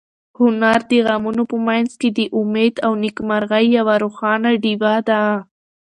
هنر د غمونو په منځ کې د امید او نېکمرغۍ یوه روښانه ډېوه ده.